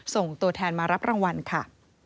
ส่งตัวแทนมารับรางวัลค่ะ